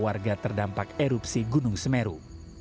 warga terdampak erupsi gunung semeru